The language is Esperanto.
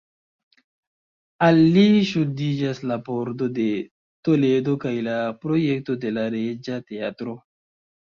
Al li ŝuldiĝas la Pordo de Toledo kaj la projekto de la Reĝa Teatro.